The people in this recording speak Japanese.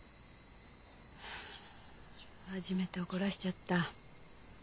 はあ初めて怒らせちゃった。